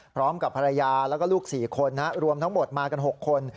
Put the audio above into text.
พร้อมกับภรรยาแล้วก็ลูก๔คนรวมทั้งหมดมากัน๖คน